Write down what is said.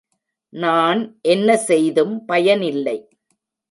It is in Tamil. நான் என்ன செய்தும் பயனில்லை.